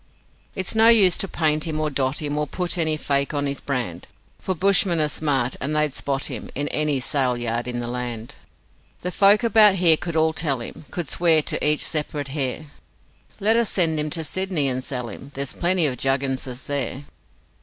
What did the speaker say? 'It's no use to paint him or dot him Or put any 'fake' on his brand, For bushmen are smart, and they'd spot him In any sale yard in the land. The folk about here could all tell him, Could swear to each separate hair; Let us send him to Sydney and sell him, There's plenty of Jugginses there.